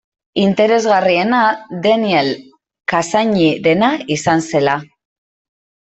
Interesgarriena Daniel Cassany-rena izan zela.